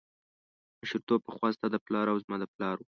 مشرتوب پخوا ستا د پلار او زما د پلار و.